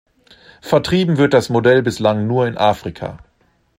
Vertrieben wird das Modell bislang nur in Afrika.